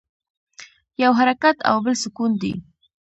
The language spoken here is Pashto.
یو حرکت او بل سکون دی.